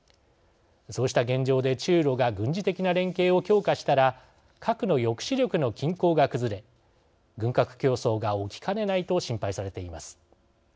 そうした現状で中ロが軍事的な連携を強化したら核の抑止力の均衡が崩れ軍拡競争が起きかねないと心配されています。